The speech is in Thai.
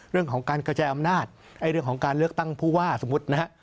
เรื่องของการกระจายอำนาจเรื่องของการเลือกตั้งผู้ว่าสมมุตินะฮะ